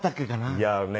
いやね